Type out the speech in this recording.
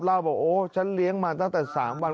บอกโอ้ฉันเลี้ยงมาตั้งแต่๓วัน